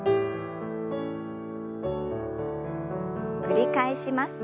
繰り返します。